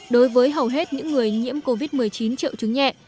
đối với hầu hết những người nhiễm covid một mươi chín triệu chứng nhẹ